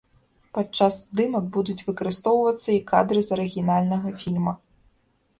Падчас здымак будуць выкарыстоўвацца і кадры з арыгінальнага фільма.